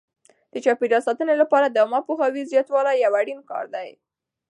د چاپیریال ساتنې لپاره د عامه پوهاوي زیاتول یو اړین کار دی.